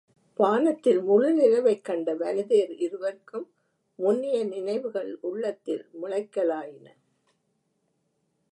வானத்தில் முழுநிலவைக்கண்ட வனிதையர் இருவர்க்கும் முன்னைய நினைவுகள் உள்ளத்தில் முளைக்கலாயின.